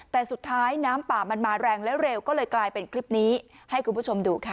แต่สุดท้ายน้ำป่ามันมาแรงและเร็วก็เลยกลายเป็นคลิปนี้ให้คุณผู้ชมดูค่ะ